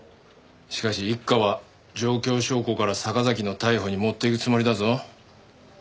しかし一課は状況証拠から坂崎の逮捕にもっていくつもりだぞ。